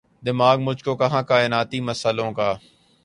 دماغ مجھ کو کہاں کائناتی مسئلوں کا